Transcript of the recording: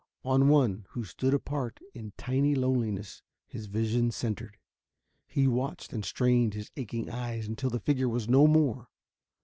On one, who stood apart in tiny loneliness, his vision centered. He watched and strained his aching eyes until the figure was no more.